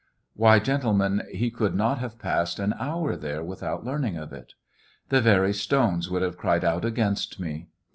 Why, gentlemen, he could not have passed an hour there without learning of it. The very stones would have cried out against me.